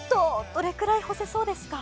どれくらい干せそうですか？